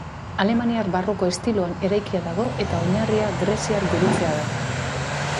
Alemaniar barroko estiloan eraikia dago eta oinarria greziar gurutzea da.